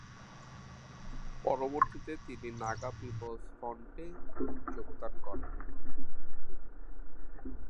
পরবর্তীতে, তিনি নাগা পিপলস ফ্রন্টে যোগদান করেন।